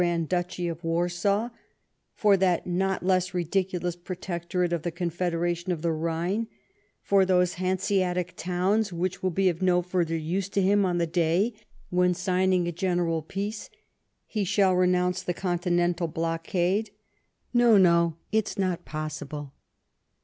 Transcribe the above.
Gmnd Duchy of Warsaw, for that not less ridiculous protectorate of the Coafederation of the Rhine, for those Hauseatic towns which will be of no further use to liim on tlie day when, signing a general peace, he shall renounce the Continental blockade — no, no, it is not possible."